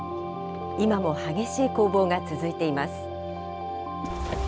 今も激しい攻防が続いています。